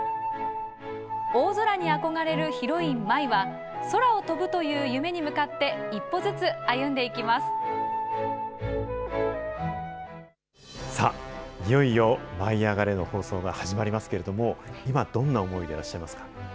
大空に憧れるヒロイン、舞は、空を飛ぶという夢に向かって一歩ずさあ、いよいよ舞いあがれ！の放送が始まりますけれども、今、どんな思いでいらっしゃいますか。